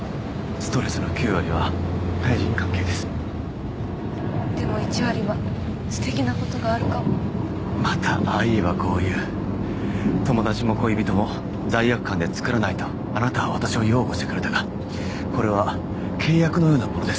ストレスの９割は対人関係ですでも１割はすてきなことがあるかもまたああ言えばこう言う友達も恋人も罪悪感で作らないとあなたは私を擁護してくれたがこれは契約のようなものです